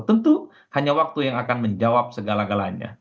tentu hanya waktu yang akan menjawab segala galanya